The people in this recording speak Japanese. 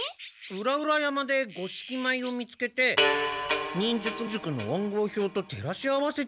裏々山で五色米を見つけて忍術塾の暗号表とてらし合わせてみたら。